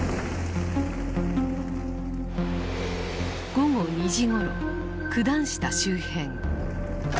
午後２時ごろ九段下周辺。